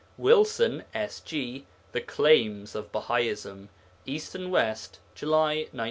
WILSON, S. G. 'The Claims of Bahaism,' East and West, July 1914.